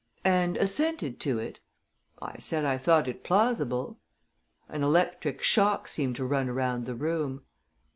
"And assented to it?" "I said I thought it plausible." An electric shock seemed to run around the room.